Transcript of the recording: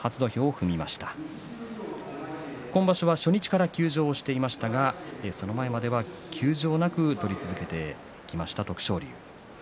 今場所は初日から休場していましたがその前までは休場なく取り続けてきました徳勝龍です。